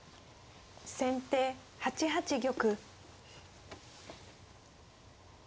先手８八玉。